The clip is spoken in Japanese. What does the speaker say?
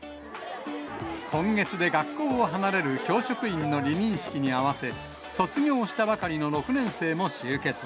今月で学校を離れる教職員の離任式に合わせ、卒業したばかりの６年生も集結。